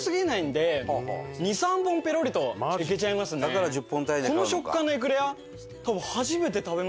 だから１０本単位で買うんだ。